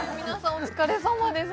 お疲れさまです